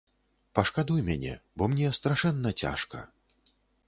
Пашкадуй мяне, бо мне страшэнна цяжка.